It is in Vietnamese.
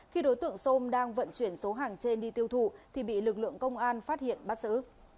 khi đối tượng sôm đang vận chuyển số hàng trên đi tiêu thụ thì bị lực lượng công an phát hiện bắt xử